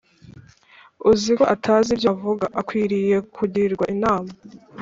uziko atazi ibyo avuga akwiriye kugirwa inama